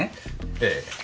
ええ。